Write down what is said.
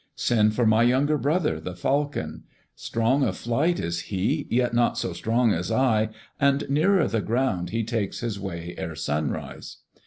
Send for my younger brother, the Falcon. Strong of flight is he, yet not so strong as I, and nearer the ground he takes his way ere sunrise."